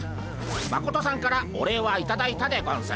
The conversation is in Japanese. マコトさんからお礼はいただいたでゴンス。